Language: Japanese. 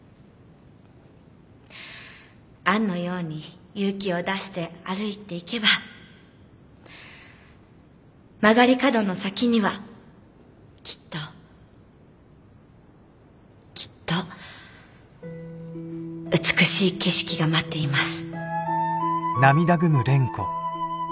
アンのように勇気を出して歩いていけば曲がり角の先にはきっときっと美しい景色が待っています。